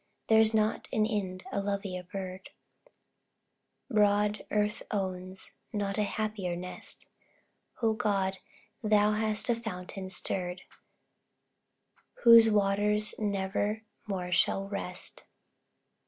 There's not in Ind a lovelier bird; Broad earth owns not a happier nest O God, thou hast a fountain stirred, Whose waters never more shall rest!